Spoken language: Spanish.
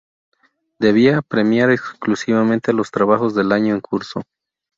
Debía premiar exclusivamente a los trabajos del año en curso.